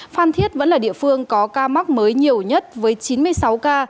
phan thiết vẫn là địa phương có ca mắc mới nhiều nhất với chín mươi sáu ca